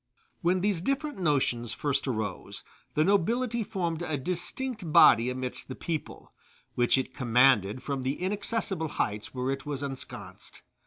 When these different notions first arose, the nobility formed a distinct body amidst the people, which it commanded from the inaccessible heights where it was ensconced.